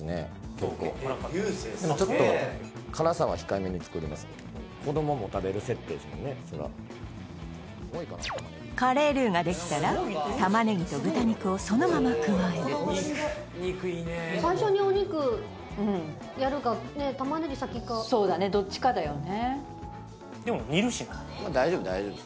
結構カレールーができたら玉ネギと豚肉をそのまま加えるそうだねどっちかだよね